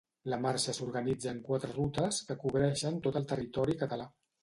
La marxa s'organitza en quatre rutes que cobreixen tot el territori català.